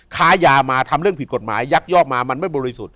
ค้ายามาทำเรื่องผิดกฎหมายยักยอกมามันไม่บริสุทธิ์